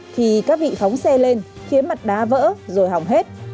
thì các vị phóng xe lên khiến mặt đá vỡ rồi hỏng hết